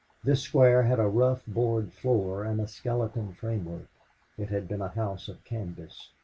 This square had a rough board floor and a skeleton framework. It had been a house of canvas.